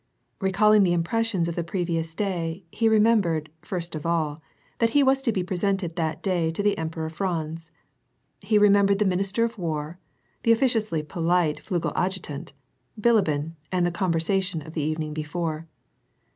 Recalling the impres sions of the previous day, he remembered, first of all, that he was to be presented that day to the Emperor Franz, he remem bered the minister of war, the officiously jwlite Flugel adjutant, Bilibin, and the conversation of the evening before.